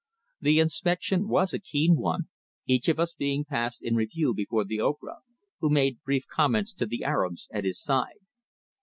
The inspection was a keen one, each of us being passed in review before the Ocra, who made brief comments to the Arabs at his side.